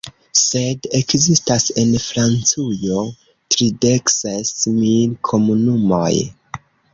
Sed ekzistas en Francujo tridekses mil komunumoj.